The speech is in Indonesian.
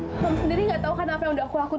kamu sendiri nggak tahu kan apa yang udah aku lakuin